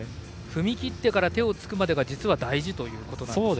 踏み切ってから手をつくまでが実は大事だと。